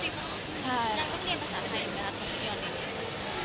จนเป็นคนดีจริงหรอ